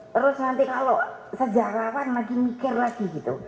terus nanti kalau sejarawan lagi mikir lagi gitu